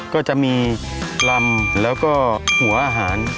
ก็จะมีลำแล้วก็หัวอาหาร